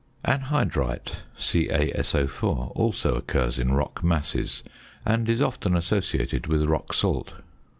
Anhydrite (CaSO_) also occurs in rock masses, and is often associated with rock salt.